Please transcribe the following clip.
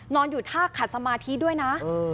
นอนอยู่ท่าขัดสมาธิด้วยนะ